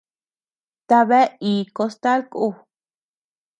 ¿Tabea iì costal ku?